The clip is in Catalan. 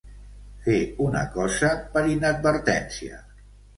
Fer una cosa per inadvertència.